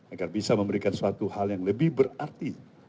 agar bisa memberikan suatu hal yang lebih berarti